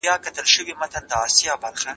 شخصي حریم په بشپړه توګه خوندي و.